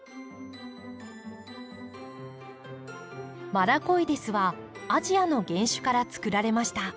マラコイデスはアジアの原種からつくられました。